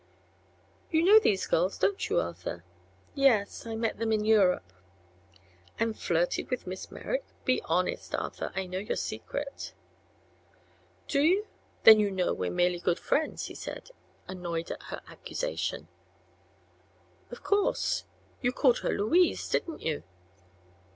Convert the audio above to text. "You know these girls, don't you, Arthur?" "Yes; I met them in Europe." "And flirted with Miss Merrick? Be honest, Arthur, I know your secret." "Do you? Then you know we were merely good friends," said he, annoyed at her accusation. "Of course. You called her 'Louise,' didn't you?"